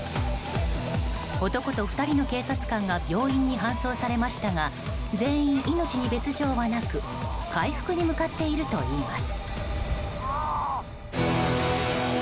男と２人の警察官が病院に搬送されましたが全員、命に別条はなく回復に向かっているといいます。